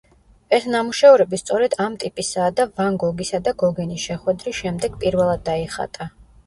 ეს ნამუშევრები სწორედ ამ ტიპისაა და ვან გოგისა და გოგენის შეხვედრის შემდეგ პირველად დაიხატა.